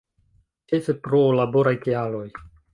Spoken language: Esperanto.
Ĉefe pro laboraj kialoj.